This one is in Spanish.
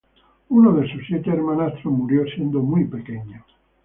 Uno de sus siete hermanastros murió siendo muy pequeño.